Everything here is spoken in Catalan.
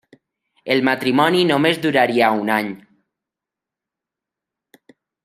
El matrimoni només duraria un any.